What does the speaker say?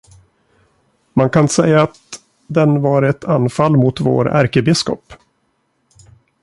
Man kan säga att den var ett anfall mot vår ärkebiskop.